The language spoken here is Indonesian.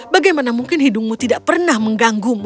bagaimana mungkin hidungmu tidak pernah mengganggumu